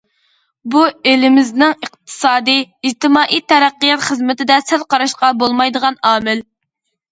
بۇ، ئېلىمىزنىڭ ئىقتىسادىي، ئىجتىمائىي تەرەققىيات خىزمىتىدە سەل قاراشقا بولمايدىغان ئامىل.